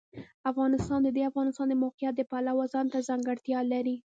افغانستان د د افغانستان د موقعیت د پلوه ځانته ځانګړتیا لري.